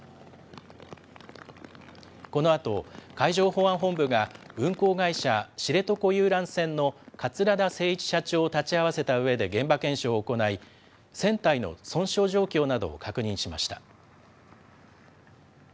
このあと、海上保安本部が運航会社、知床遊覧船の桂田精一社長を立ち会わせたうえで現場検証を行い、船体の損傷状況などを確認しました。